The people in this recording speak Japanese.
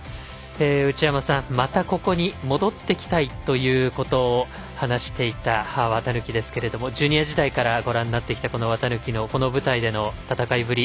内山さん、またここに戻ってきたいということを話していた、綿貫ですけれどもジュニア時代からご覧になってきた綿貫のこの舞台での戦いぶり